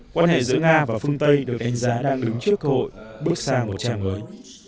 quan hệ giữa nga và phương tây được đánh giá đang đứng trước cơ hội bước sang một trang mới